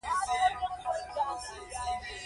د مایا دولت ښارونو تاریخ یو شوم پای راښيي